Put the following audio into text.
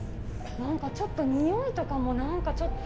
なんかちょっとにおいとかも、なんかちょっと。